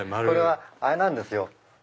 これはあれなんですよ。